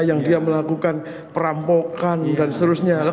yang dia melakukan perampokan dan seterusnya